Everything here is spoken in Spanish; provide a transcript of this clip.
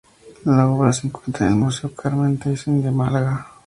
La obra se encuentra en el Museo Carmen Thyssen de Málaga.